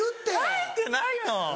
入ってないよ！